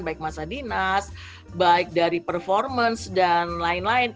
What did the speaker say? baik masa dinas baik dari performance dan lain lain